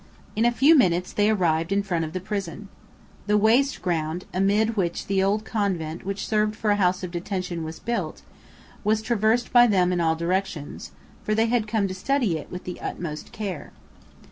In a few minutes they arrived in front of the prison. The waste ground, amid which the old convent which served for a house of detention was built, was traversed by them in all directions, for they had come to study it with the utmost care.